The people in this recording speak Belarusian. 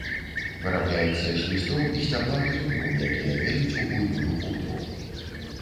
Вырабляецца з лістоў і сцябла тытуню, якія мелюць у буйную пудру.